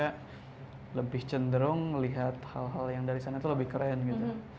ya kita juga lebih cenderung lihat hal hal yang dari sana itu lebih keren gitu